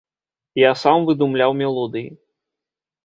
Я сам выдумляў мелодыі.